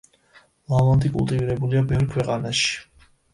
ლავანდი კულტივირებულია ბევრ ქვეყანაში.